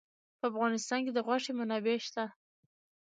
په افغانستان کې د غوښې منابع شته.